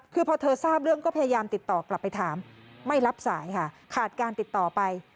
คือพอเธอทราบเรื่องก็พยายามติดต่อกลับไปถามไม่รับสายค่ะขาดการติดต่อไป